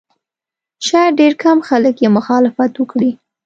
شاید ډېر کم خلک یې مخالفت وکړي.